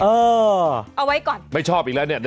เอาไว้ก่อนไม่ชอบอีกแล้วเนี่ย